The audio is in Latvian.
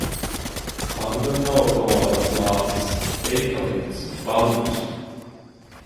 Panda nav koalas lācis. Eikalipts, bambuss.